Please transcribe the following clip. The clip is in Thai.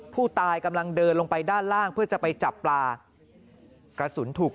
ผู้ตายกำลังเดินลงไปด้านล่างเพื่อจะไปจับปลากระสุนถูก